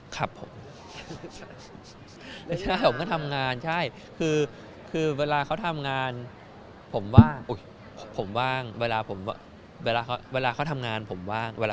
ครับผมใช่ผมก็ทำงานเวลาเขาทำงานผมว่าง